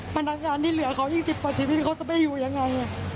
พนักงานที่เหลือเขา๒๐กว่าชีวิตเขาจะไปอยู่ยังไง